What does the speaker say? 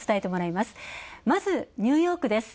まず、ニューヨークです。